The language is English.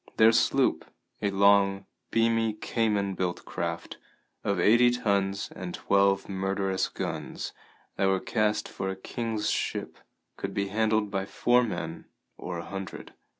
Their sloop, a long, beamy Cayman built craft, of eighty tons and twelve murderous guns that were cast for a king's ship, could be handled by four men or a hundred.